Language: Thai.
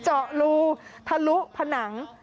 เจาะรูทะลุผนัง